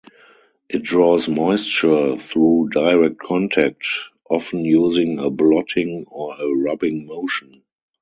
It draws moisture through direct contact, often using a blotting or a rubbing motion.